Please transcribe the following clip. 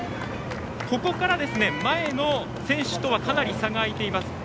ここから、前の選手とはかなり差が開いています。